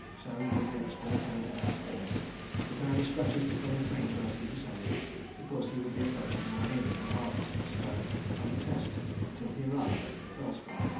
So would the expert go down the scale, the tiny scratches becoming fainter as he descended, because he would be approaching more nearly the hardness of the stone under test, till he arrived at the felspar, No.